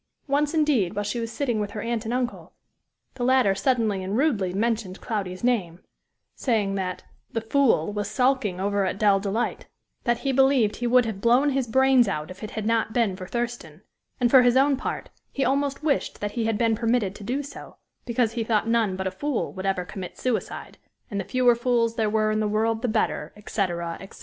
Once, indeed, while she was sitting with her aunt and uncle, the latter suddenly and rudely mentioned Cloudy's name, saying that "the fool" was sulking over at Dell Delight; that he believed he would have blown his brains out if it had not been for Thurston, and for his own part, he almost wished that he had been permitted to do so, because he thought none but a fool would ever commit suicide, and the fewer fools there were in the world the better, etc., etc.